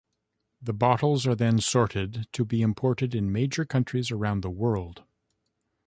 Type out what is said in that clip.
The bottles are then sorted to be imported in major countries around the world.